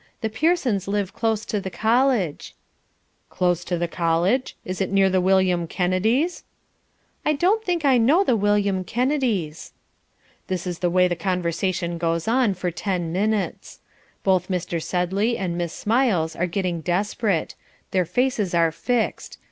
The Pearsons live close to the college." "Close to the College? Is it near the William Kennedys?" "I don't think I know the William Kennedys." This is the way the conversation goes on for ten minutes. Both Mr. Sedley and Miss Smiles are getting desperate. Their faces are fixed.